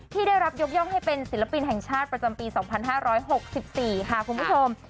ที่ได้รับยกย่องให้เป็นศิลปินแห่งชาติประจำปีสองพันห้าร้อยหกสิบสี่ค่ะคุณผู้ชม